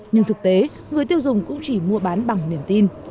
nhưng thực tế người tiêu dùng cũng chỉ mua bán bằng niềm tin